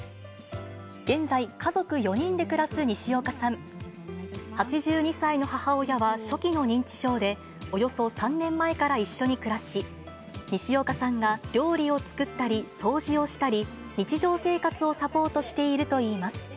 現在、家族４人で暮らすにしおかさん、８２歳の母親は初期の認知症で、およそ３年前から一緒に暮らし、にしおかさんが料理を作ったり、掃除をしたり、日常生活をサポートしているといいます。